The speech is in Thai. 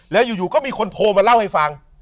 แล้วอยู่ก็มีคนโทรมาเล่าให้ฟัง